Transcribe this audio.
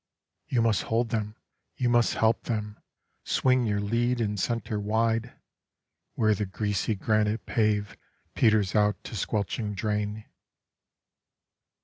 (You must hold them, you must help them, swing your lead and centre wide Where the greasy granite pave peters out to squelching drain.)